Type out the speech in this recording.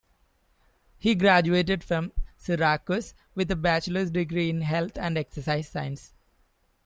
He graduated from Syracuse with a bachelor's degree in Health and Exercise Science.